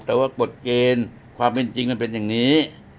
แต่ว่ากฎเกณฑ์ความเป็นจริงมันเป็นอย่างนี้